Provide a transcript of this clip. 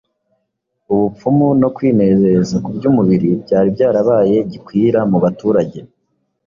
Ubupfumu no kwinezeza kuby’umubiri byari byarabaye gikwira mu baturage.